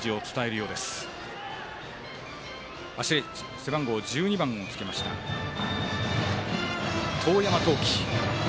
背番号１２番をつけました遠山至祈。